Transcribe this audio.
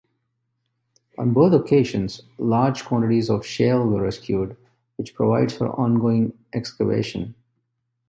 On both occasions large quantities of shale were rescued which provides for ongoing excavation.